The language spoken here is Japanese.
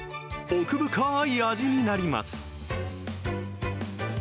奥深い味になります。